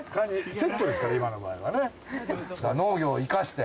セットですから今の場合はね。